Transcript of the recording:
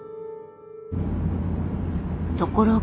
ところが。